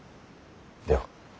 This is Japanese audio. では。